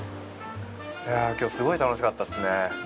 きょう、すごい楽しかったですね。